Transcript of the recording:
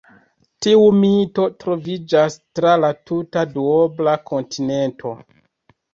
Tiu mito troviĝas tra la tuta duobla kontinento.